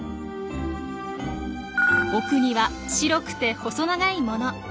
奥には白くて細長いもの。